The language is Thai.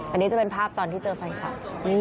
อันนี้จะเป็นภาพตอนที่เจอแฟนคลับ